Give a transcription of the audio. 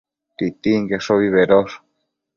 Titinqueshobi bedosh